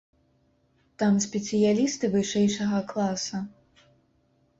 Там спецыялісты вышэйшага класа.